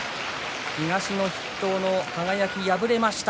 東の筆頭輝、敗れました。